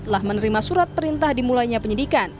telah menerima surat perintah dimulainya penyidikan